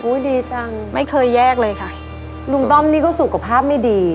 ดีจังไม่เคยแยกเลยค่ะลุงต้อมนี่ก็สุขภาพไม่ดี